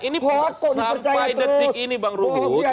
ini sampai detik ini bang rungut